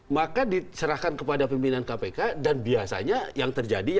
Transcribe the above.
maka diserahkan kepada pimpinan kpk dan biasanya yang terjadi